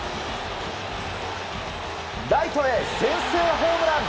ライトへ先制ホームラン！